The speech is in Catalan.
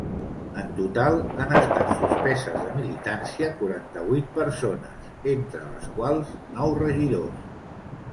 En total, han estat suspeses de militància quaranta-vuit persones, entre les quals nou regidors.